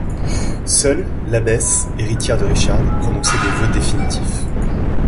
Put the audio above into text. Seule, l'abbesse, héritière de Richarde, prononçait des vœux définitifs.